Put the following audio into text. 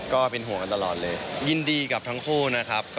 คุณน่ารักครับ